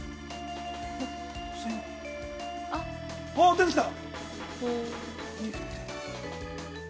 出てきた。